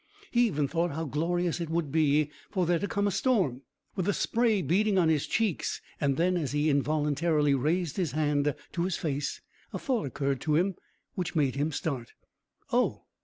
He even thought of how glorious it would be for there to come a storm, with the spray beating on his cheeks and then, as he involuntarily raised his hand to his face, a thought occurred to him which made him start. "Oh!"